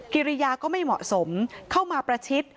กิริยาก็ไม่เหมาะสมเข้ามาประชิด